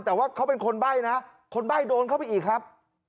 แต่ว่าเขาเป็นคนใบ้นะคนใบ้โดนเข้าไปอีกครับ